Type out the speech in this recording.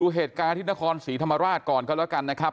เหตุการณ์ที่นครศรีธรรมราชก่อนก็แล้วกันนะครับ